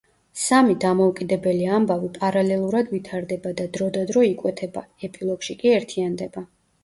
სამი დამოუკიდებელი ამბავი პარალელურად ვითარდება და დროდადრო იკვეთება, ეპილოგში კი ერთიანდება.